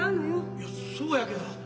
いやそうやけど。